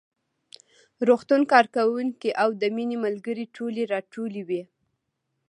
روغتون کارکوونکي او د مينې ملګرې ټولې راټولې وې